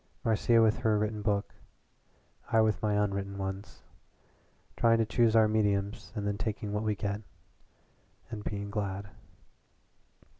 Marcia with her written book; I with my unwritten ones. Trying to choose our mediums and then taking what we get and being glad."